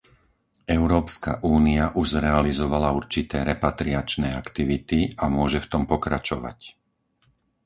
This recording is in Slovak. Európska únia už zrealizovala určité repatriačné aktivity a môže v tom pokračovať.